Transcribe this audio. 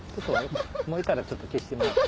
燃えたらちょっと消してもらって。